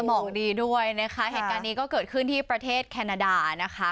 หมอกดีด้วยนะคะเหตุการณ์นี้ก็เกิดขึ้นที่ประเทศแคนาดานะคะ